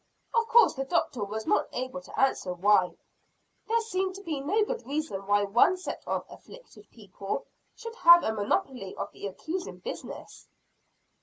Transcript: Of course the doctor was not able to answer why; there seemed to be no good reason why one set of "afflicted" people should have a monopoly of the accusing business.